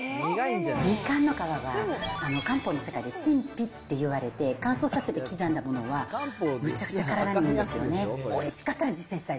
みかんの皮は、漢方の世界で陳皮っていわれて、乾燥させて刻んだものはむちゃくちゃ体にいいんですよね。